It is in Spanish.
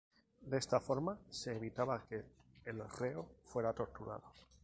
De esta forma se evitaba que el reo fuera torturado.